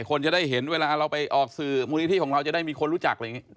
คนจะได้เห็นเวลาเราไปออกสื่อมูลนิธิของเราจะได้มีคนรู้จักอะไรอย่างนี้